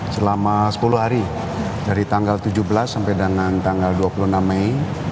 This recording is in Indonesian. selama sepuluh hari dari tanggal tujuh belas sampai dengan tanggal dua puluh enam mei